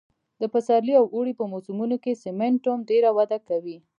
د پسرلي او اوړي په موسمونو کې سېمنټوم ډېره وده کوي